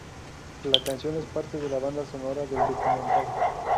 La canción es parte de la banda sonora del documental.